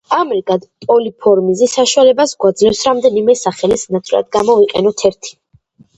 ამრიგად, პოლიმორფიზმი საშუალებას გვაძლევს რამდენიმე სახელის ნაცვლად გამოვიყენოთ ერთი.